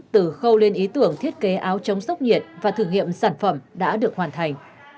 từ khâu lên ý tưởng thiết kế áo chống sốc nhiệt và thử nghiệm sản phẩm đã được hoàn thành